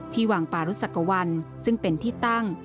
ที่หวังปรุศกวันซึ่งเป็นที่ตั้ง